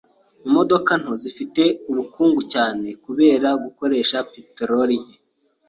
Imodoka nto zifite ubukungu cyane kubera gukoresha peteroli nke.